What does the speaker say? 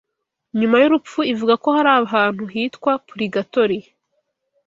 nyuma y’urupfu, ivuga ko hari ahantu hitwa Purigatori